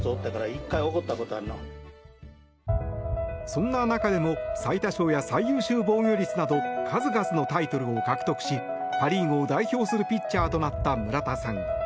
そんな中でも最多勝や最優秀防御率など数々のタイトルを獲得しパ・リーグを代表するピッチャーとなった村田さん。